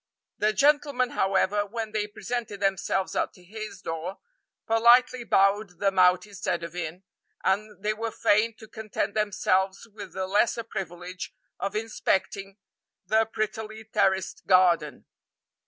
The gentleman, however, when they presented themselves at his door, politely bowed them out instead of in, and they were fain to content themselves with the lesser privilege of inspecting the prettily terraced garden.